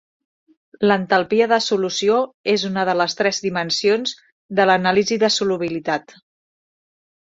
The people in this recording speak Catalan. L'entalpia de solució és una de les tres dimensions de l'anàlisi de solubilitat.